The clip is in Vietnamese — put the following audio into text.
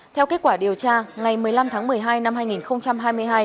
theo kết quả điều tra ngày một mươi năm tháng một mươi hai năm hai nghìn hai mươi hai